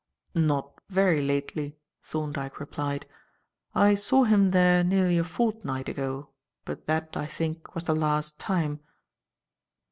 "Not very lately," Thorndyke replied. "I saw him there nearly a fortnight ago, but that, I think, was the last time."